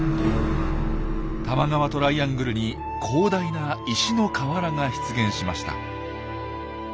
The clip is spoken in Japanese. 多摩川トライアングルに広大な石の河原が出現しました。